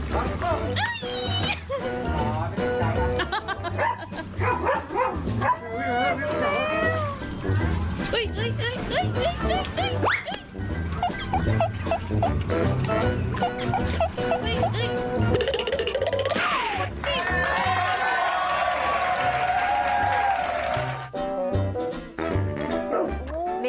มันขึ้นมา